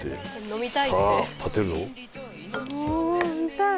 お見たい！